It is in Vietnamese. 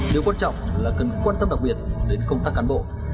điều quan trọng là cần quan tâm đặc biệt đến công tác cán bộ